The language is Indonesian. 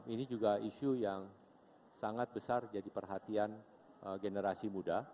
ini juga isu yang sangat besar jadi perhatian generasi muda